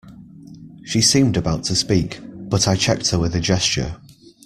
She seemed about to speak, but I checked her with a gesture.